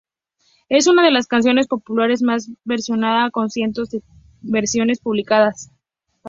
Es una de las canciones populares más versionada con cientos de versiones publicadas.